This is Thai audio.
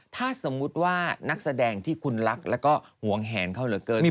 ถ้าสมมุติว่านักแสดงที่คุณรักแล้วก็หวงแหนเขาเหลือเกิน